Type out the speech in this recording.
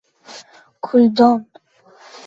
-Kuldon!